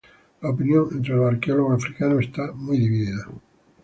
La opinión entre los arqueólogos africanos está muy dividida.